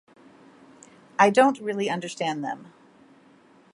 I don't really understand them.